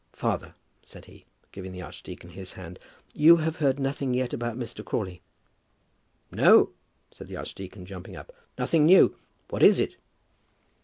"Father," said he, giving the archdeacon his hand, "you have heard nothing yet about Mr. Crawley?" "No," said the archdeacon jumping up; "nothing new; what is it?"